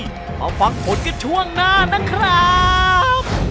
มาฟังผลกันช่วงหน้านะครับ